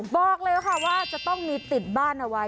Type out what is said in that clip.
บอกเลยค่ะว่าจะต้องมีติดบ้านเอาไว้